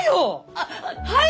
あっはい！